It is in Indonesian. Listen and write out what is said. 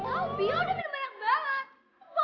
kan putri yang jelas jelasin gue